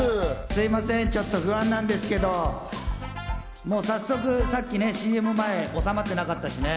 すみません、ちょっと不安なんですけど、もう早速、さっきねＣＭ前、おさまってなかったしね。